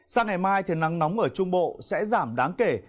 sang ngày mai thì nắng nóng ở trung bộ sẽ giảm đáng kể